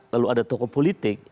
lalu ada tokoh politik